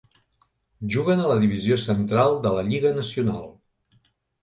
Juguen a la Divisió central de la Lliga nacional.